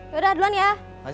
yaudah duluan ya